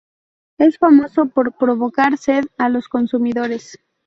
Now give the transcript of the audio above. Es famoso por provocar sed a los consumidores.